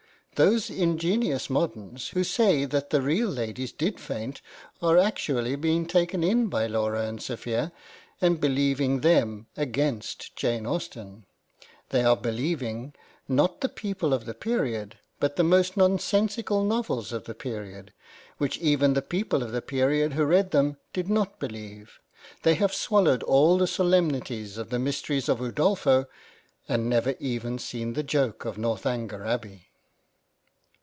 Those ingenious moderns, who say that the real ladies did faint, are actually being taken in by Laura and Sophia, and believing them against Jane Austen. They are believing, not b ix PREFACE the people of the period but the most nonsensical novels of the period, which even the people of the period who read them did not believe. They have swallowed all the solemnities of the Mysteries of Udolpho, and never even seen the joke of Northanger Abbey.